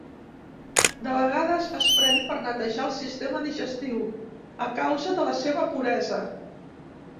De vegades es pren per netejar el sistema digestiu, a causa de la seva puresa.